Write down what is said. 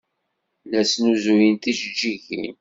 La snuzuyeɣ tijeǧǧigin.